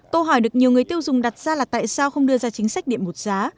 câu hỏi được nhiều người tiêu dùng đặt ra là tại sao không đưa ra chính sách điện một giá